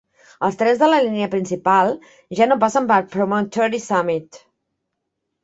Els trens de la línia principal ja no passen per Promontory Summit.